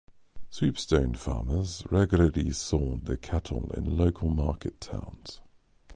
Swepstone farmers regularly sold their cattle in local market towns.